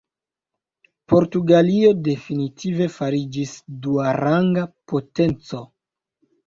Portugalio definitive fariĝis duaranga potenco.